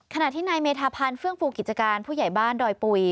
ขณะที่นายเมธาพันธ์เฟื่องฟูกิจการผู้ใหญ่บ้านดอยปุ๋ย